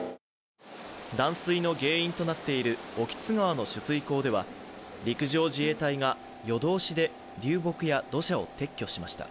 断水の原因となっている興津川の取水口では、陸上自衛隊が夜通しで流木や土砂を撤去しました。